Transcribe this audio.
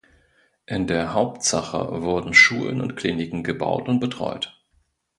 In der Hauptsache wurden Schulen und Kliniken gebaut und betreut.